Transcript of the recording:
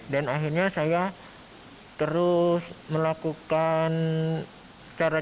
dan akhirnya saya terus melakukan cara cara